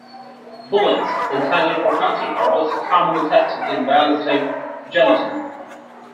Bullets intended for hunting are also commonly tested in ballistic gelatin.